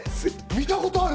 見たことある？